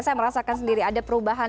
saya merasakan sendiri ada perubahan